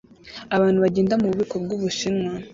Abantu bagenda mububiko bwubushinwa